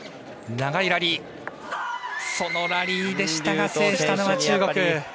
長いラリーでしたが制したのは中国。